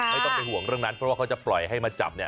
ไม่ต้องไปห่วงเรื่องนั้นเพราะว่าเขาจะปล่อยให้มาจับเนี่ย